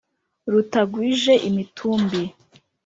Rutagwije imitumbi